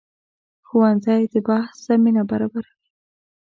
ښوونځی د بحث زمینه برابروي